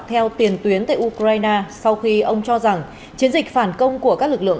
theo tiền tuyến tại ukraine sau khi ông cho rằng chiến dịch phản công của các lực lượng